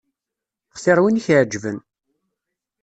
Xtir win i k-iεeǧben.